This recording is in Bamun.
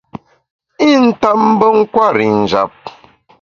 I ntap mbe nkwer i njap.